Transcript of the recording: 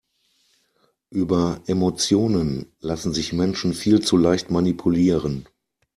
Über Emotionen lassen sich Menschen viel zu leicht manipulieren.